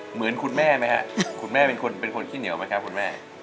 เหมือนคุณแม่ไหมครับคุณแม่เป็นคนเป็นคนขี้เหนียวไหมครับคุณแม่